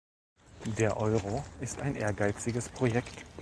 Der Euro ist ein ehrgeiziges Projekt.